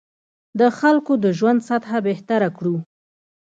د خلکو د ژوند سطح بهتره کړو.